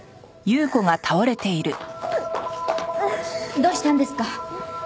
どうしたんですか？